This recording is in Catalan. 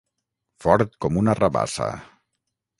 Fort com una rabassa.